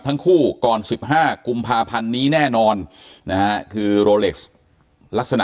ทั้งคู่ก่อน๑๕กุมภาพันธ์นี้แน่นอนนะฮะคือโรเล็กซ์ลักษณะ